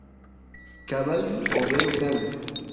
cabullu overo kan